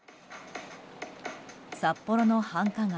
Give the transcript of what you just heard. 札幌の繁華街